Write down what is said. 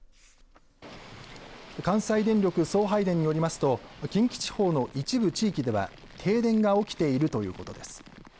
関西電力送配電によりますと近畿地方の一部地域では停電が起きているということです。